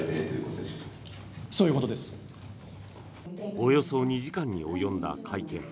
およそ２時間に及んだ会見。